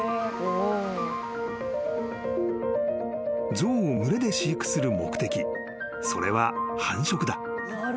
［象を群れで飼育する目的それは繁殖だ］